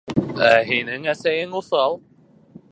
Ә һинең әсәйең уҫал.